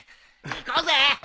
行こうぜ！